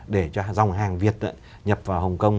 để cho dòng hàng việt nhập vào hồng kông